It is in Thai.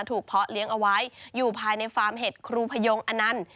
เพาะเลี้ยงเอาไว้อยู่ภายในฟาร์มเห็ดครูพยงอนันต์